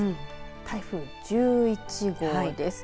台風１１号です。